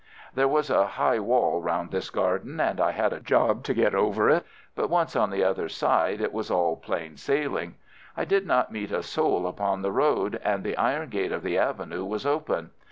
There was a high wall round this garden, and I had a job to get over it, but once on the other side it was all plain sailing. I did not meet a soul upon the road, and the iron gate of the avenue was open.